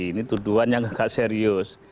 ini tuduhan yang agak serius